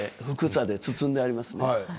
ふくさで包んであります。